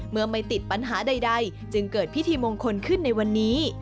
ไม่ติดปัญหาใดจึงเกิดพิธีมงคลขึ้นในวันนี้